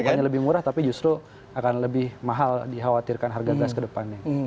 bukannya lebih murah tapi justru akan lebih mahal dikhawatirkan harga gas ke depannya